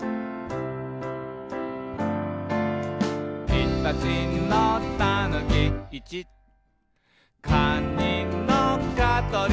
「いたちのたぬき」「いち」「かにのかとり」